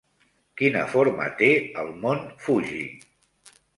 Quina forma té el mont Fuji?